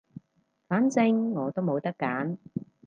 反正我都冇得揀